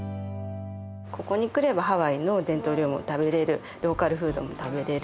ここに来ればハワイの伝統料理も食べれるローカルフードも食べれる